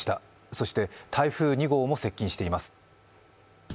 そして台風２号も接近しています。